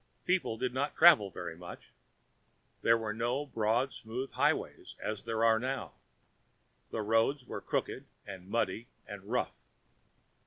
People did not travel very much. There were no broad, smooth highways as there are now. The roads were crooked and muddy and rough.